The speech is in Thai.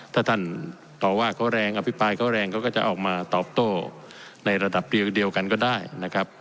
ถ้าท่านต่อว่าเขาแรงอภิปรายเขาแรงเขาก็จะออกมาตอบโต้ในระดับเดียวกันก็ได้นะครับ